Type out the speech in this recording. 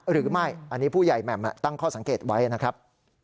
หรือไม่อันนี้ผู้ใหญ่แหม่มตั้งข้อสังเกตไว้นะครับ